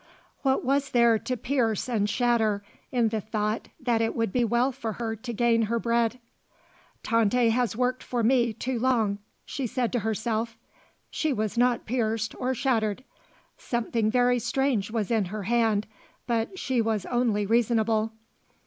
What was there to pierce and shatter in the thought that it would be well for her to gain her bread? "Tante has worked for me too long," she said to herself. She was not pierced or shattered. Something very strange was in her hand, but she was only reasonable.